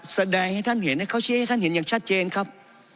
แสดงให้ท่านเห็นเขาชี้ให้ท่านเห็นอย่างชัดเจนครับ